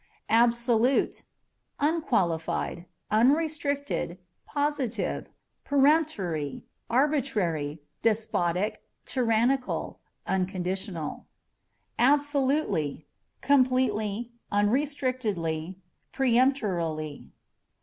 Absolute â€" unqualified, unrestricted, positive, peremptory arbitrary, despotic, tyrannical, unconditional. Absolutely â€" completely, unrestrictedly, peremptorily.